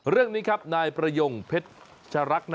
เรื่องนี้ครับนายประยงเพชรชรัก